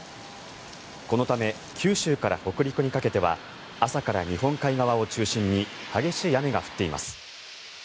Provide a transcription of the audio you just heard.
このため九州から北陸にかけては朝から日本海側を中心に激しい雨が降っています。